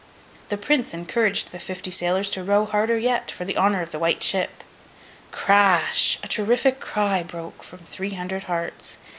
The Prince encouraged the fifty sailors to row harder yet, for the honour of The White Ship. Crash! A terrific cry broke from three hundred hearts.